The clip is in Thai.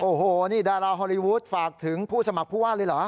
โอ้โหนี่ดาราฮอลลีวูดฝากถึงผู้สมัครผู้ว่าเลยเหรอ